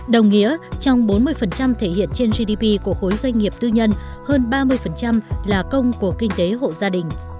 đồng nghĩa trong bốn mươi thể hiện trên gdp của khối doanh nghiệp tư nhân hơn ba mươi là công của kinh tế hộ gia đình